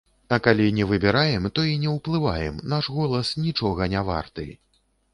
А калі не выбіраем, то і не ўплываем, наш голас нічога не варты.